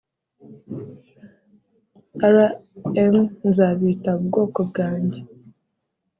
Rm nzabita ubwoko bwanjye